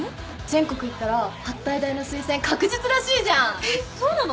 全国行ったら八体大の推薦確実らしいじゃん